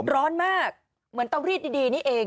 ร้อนมากเหมือนเตารีดดีนี่เอง